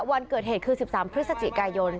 วันเกิดเหตุคือ๑๓พฤศจิกายน